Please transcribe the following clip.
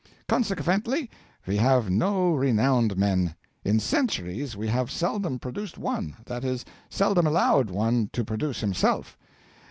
Consequently we have no renowned men; in centuries we have seldom produced one that is, seldom allowed one to produce himself.